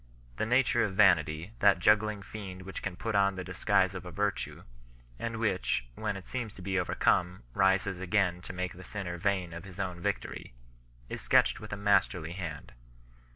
The nature of vanity, that juggling fiend which can put on the dis guise of a virtue, and which, when it seems to be over come, rises again to make the sinner vain of his own victory 9 , is sketched with a masterly hand.